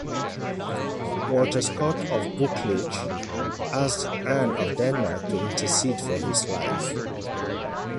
Walter Scott of Buccleuch asked Anne of Denmark to intercede for his life.